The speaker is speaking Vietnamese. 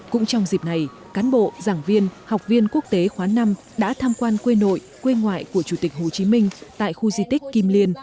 cũng trong dịp này cán bộ giảng viên học viên quốc tế khóa năm đã tham quan quê nội quê ngoại của chủ tịch hồ chí minh tại khu di tích kim liên